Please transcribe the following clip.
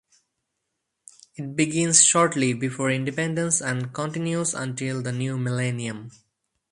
It begins shortly before independence and continues until the new millennium.